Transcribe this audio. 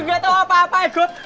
gua gak tau apa apa